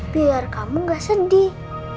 biar kamu nggak sedih